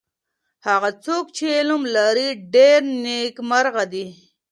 هغه څوک چی علم لري ډېر نیکمرغه دی.